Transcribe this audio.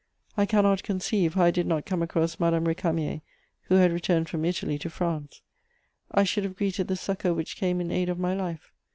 I cannot conceive how I did not come across Madame Récamier, who had returned from Italy to France; I should have greeted the succour which came in aid of my life.